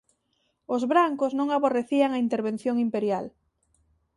Os Brancos non aborrecían a intervención imperial.